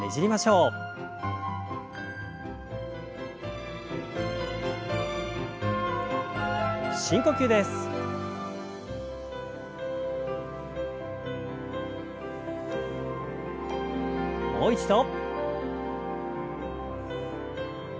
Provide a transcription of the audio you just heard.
もう一度。